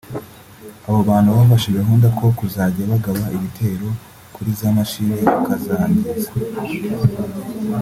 abo bantu bafashe gahunda yo kuzajya bagaba ibitero kuri zamashine bakazangiza